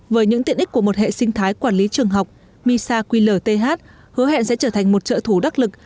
với những tiện ích của một hệ sinh thái quản lý trường học misa qlth hứa hẹn sẽ trở thành một trợ thủ đắc lực